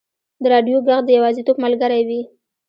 د راډیو ږغ د یوازیتوب ملګری وي.